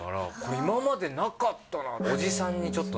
今までなかったなと。